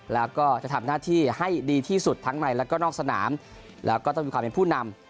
แล้วก็จะทำหน้าที่ให้ดีที่สุดทั้งในแล้วก็นอกสนามแล้วก็ต้องมีความเป็นผู้นำ